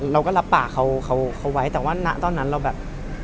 เราก็รับปากเขาไว้แต่ว่าณตอนนั้นเราแบบ